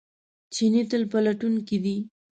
چیني تل پلټونکی دی.